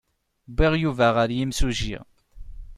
Wwiɣ Yuba ɣer yimsujji.